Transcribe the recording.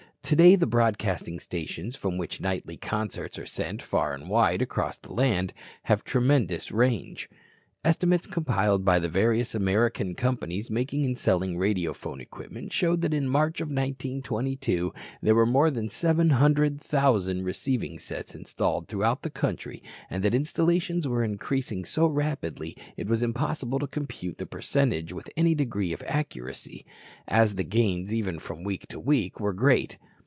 Today the broadcasting stations, from which nightly concerts are sent far and wide across the land, have tremendous range. Estimates compiled by the various American companies making and selling radiophone equipment showed that in March of 1922 there were more than 700,000 receiving sets installed throughout the country and that installations were increasing so rapidly it was impossible to compute the percentage with any degree of accuracy, as the gains even from week to week were great.